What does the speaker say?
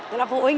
đó là vụ in